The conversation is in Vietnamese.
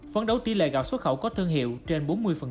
phấn đấu tỷ lệ gạo xuất khẩu có thương hiệu trên bốn mươi